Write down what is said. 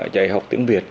giải học tiếng việt